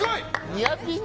ニアピン？